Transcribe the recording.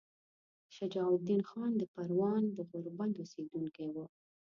شجاع الدین خان د پروان د غوربند اوسیدونکی وو.